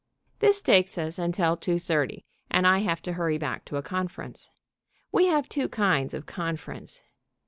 This takes us until two thirty, and I have to hurry back to a conference. We have two kinds of "conference."